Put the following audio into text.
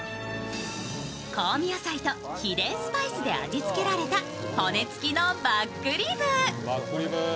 香味野菜と秘伝スパイスで味付けられた骨付きのバックリブ。